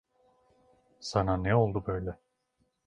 Sana ne oldu böyle?